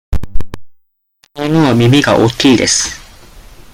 あの犬は耳が大きいです。